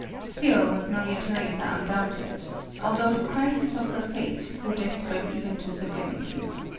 Still was Maria Theresa undaunted, although the crisis of her fate grew desperate even to sublimity.